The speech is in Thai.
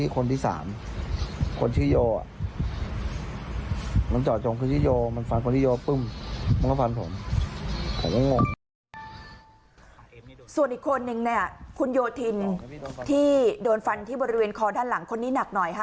คุณโอทินโดนฟันที่บริเวณครอดด้านหลังคนนี้หนักหน่อยค่ะ